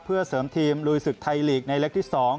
เพื่อเสริมทีมลุยศึกไทยลีกในเล็กที่๒